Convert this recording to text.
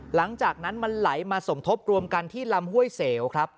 หลังจากนั้นมันไหลมาสมทบรวมกันที่ลำห้วยเสวครับ